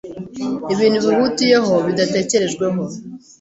ibintu bihutiyeho, bidatekerejweho